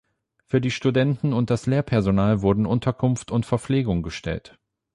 Für die Studenten und das Lehrpersonal wurden Unterkunft und Verpflegung gestellt.